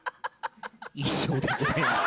以上でございます。